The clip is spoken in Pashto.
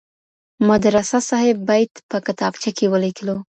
ما د رسا صاحب بیت په کتابچه کي ولیکلو.